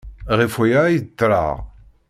Ɣef waya ay d-ttreɣ!